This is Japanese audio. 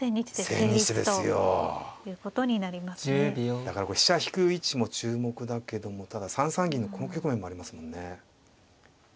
だからこれ飛車引く位置も注目だけどもただ３三銀のこの局面もありますもんね。